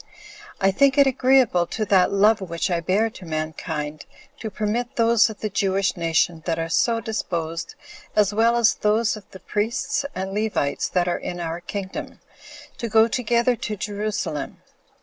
I think it agreeable to that love which I bear to mankind, to permit those of the Jewish nation that are so disposed, as well as those of the priests and Levites that are in our kingdom, to go together to Jerusalem.